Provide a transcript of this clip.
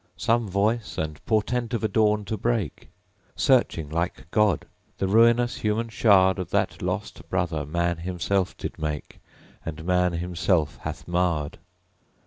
Some voice and portent of a dawn to break? Searching like God, the ruinous human shard Of that lost Brother man Himself did make, And Man himself hath marred?